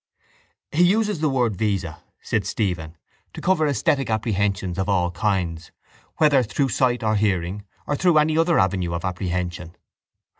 _ —He uses the word visa, said Stephen, to cover esthetic apprehensions of all kinds, whether through sight or hearing or through any other avenue of apprehension.